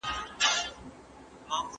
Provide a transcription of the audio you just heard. خسرخېل بې احترامي نه کوي.